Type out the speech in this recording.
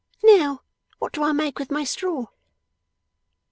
Now, what do I make with my straw?